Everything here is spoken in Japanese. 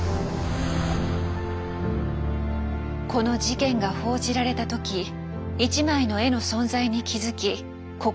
この事件が報じられた時１枚の絵の存在に気付き心